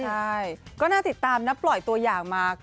ใช่ก็น่าติดตามนะปล่อยตัวอย่างมา